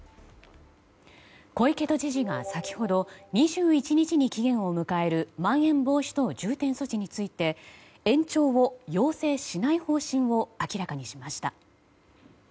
小池都知事が先ほど２１日に期限を迎えるまん延防止等重点措置について延長を要請しない方針を明らかにしました。